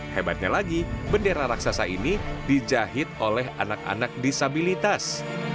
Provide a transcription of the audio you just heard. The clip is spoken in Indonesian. hebatnya lagi bendera raksasa ini dijahit oleh anak anak disabilitas